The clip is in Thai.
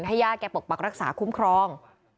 ญาติแกปกปักรักษาคุ้มครอง